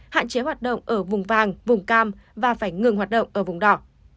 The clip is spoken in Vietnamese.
hạn chế hoạt động ở vùng vàng vùng cam và phải ngừng hoạt động ở vùng đỏ